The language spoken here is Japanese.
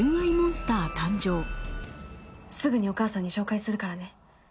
すぐにお母さんに紹介するからね！